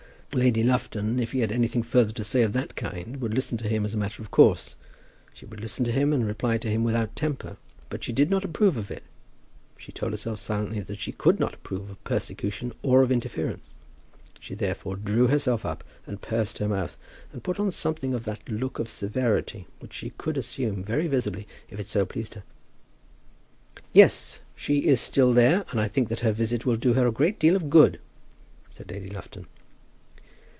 Lady Lufton, if he had anything further to say of that kind, would listen to him as a matter of course. She would listen to him and reply to him without temper. But she did not approve of it. She told herself silently that she could not approve of persecution or of interference. She therefore drew herself up, and pursed her mouth, and put on something of that look of severity which she could assume very visibly, if it so pleased her. "Yes; she is still there, and I think that her visit will do her a great deal of good," said Lady Lufton.